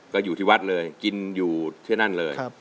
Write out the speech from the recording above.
ก็อยู่ที่วัดเลยกินอยู่ที่นั่นเลย